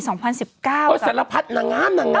แสละพัดนางงามนางงาม